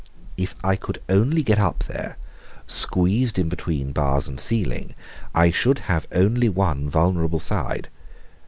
If I could only get up there, squeezed in between bars and ceiling, I should have only one vulnerable side.